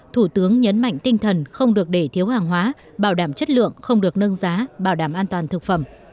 thủ tướng nhấn mạnh tinh thần không được để thiếu hàng hóa bảo đảm chất lượng không được nâng giá bảo đảm an toàn thực phẩm